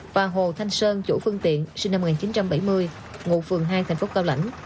và hồ thanh sơn chủ phương tiện sinh năm một nghìn chín trăm bảy mươi